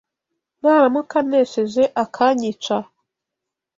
Naramuka anesheje akanyica